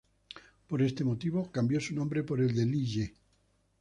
Por este motivo cambió su nombre por el de Li Ye.